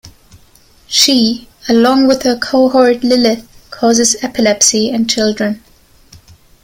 She, along with her cohort Lilith, causes epilepsy in children.